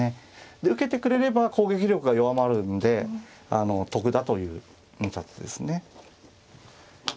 で受けてくれれば攻撃力が弱まるので得だという見立てですね。